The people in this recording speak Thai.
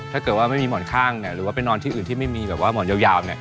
ถ้าเกิดว่าไม่มีหมอนข้างหรือว่าไปนอนที่อื่นที่ไม่มีแบบว่าหมอนยาว